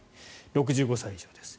６５歳以上です。